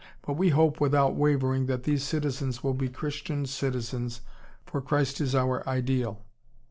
But we hope without wavering that these citizens will be Christian citizens, for Christ is our ideal."